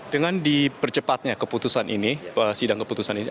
dengan dipercepatnya keputusan ini sidang keputusan ini